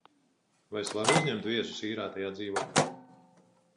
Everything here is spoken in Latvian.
Vai es varu uzņemt viesus īrētajā dzīvoklī?